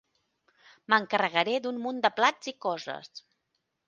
M'encarregaré d'un munt de plats i coses.